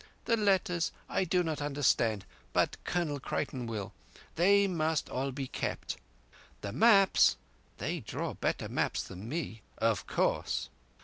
"The letters I do not understand, but Colonel Creighton will. They must all be kept. The maps—they draw better maps than me—of course.